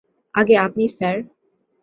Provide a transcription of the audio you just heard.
আগে আপনি স্যার।